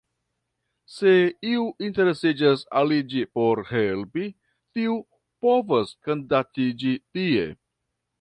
Se iu interesiĝas aliĝi por helpi, tiu povas kandidatiĝi tie.